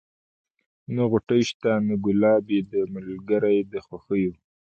نه غوټۍ سته نه ګلاب یې دی ملګری د خوښیو